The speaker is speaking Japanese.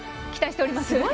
期待しております。